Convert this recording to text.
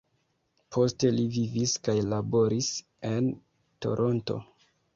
Poste li vivis kaj laboris en Toronto.